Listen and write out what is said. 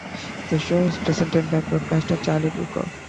The show is presented by broadcaster Charlie Brooker.